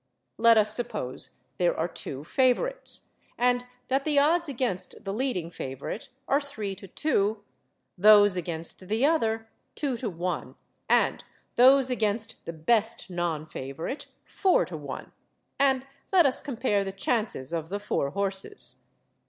Let us suppose there are two favourites, and that the odds against the leading favourite are 3 to 2, those against the other 2 to 1, and those against the best non favourite 4 to 1; and let us compare the chances of the four horses.